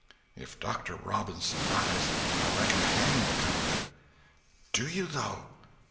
"If Doctor Robinson dies, I reckon hanging'll come of it." "Do you though?"